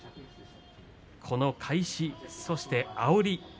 この返し、そしてあおり。